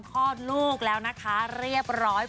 คลอดลูกแล้วนะคะเรียบร้อย